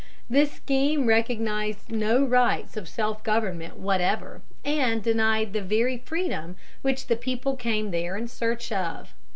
This scheme recognized no rights of self government whatever, and denied the very freedom which the people came there in search of.